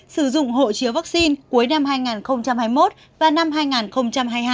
sử dụng hộ chiếu vaccine cuối năm hai nghìn hai mươi một và năm hai nghìn hai mươi hai